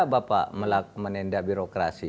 kenapa pak menendak birokrasi